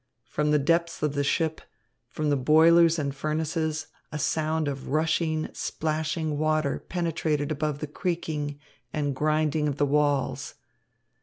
From the depths of the ship, from the boilers and furnaces, a sound of rushing, splashing water penetrated above the creaking and grinding of the walls.